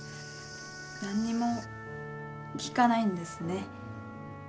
何にも聞かないんですね。